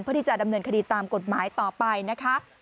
เพื่อที่จะดำเนินคดีตามกฎหมายต่อไปนะคะ